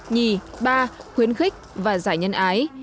nhì ba khuyến khích và giải nhân ái